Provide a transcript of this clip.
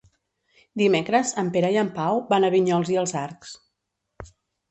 Dimecres en Pere i en Pau van a Vinyols i els Arcs.